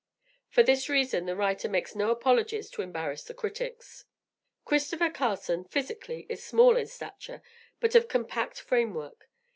For this reason, the writer makes no apologies to embarrass the critics. Christopher Carson, physically, is small in stature, but of compact frame work.